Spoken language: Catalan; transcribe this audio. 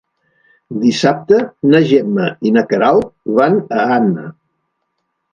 Dissabte na Gemma i na Queralt van a Anna.